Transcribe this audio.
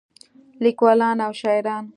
لیکولان او شاعران